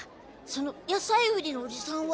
その野菜売りのおじさんは？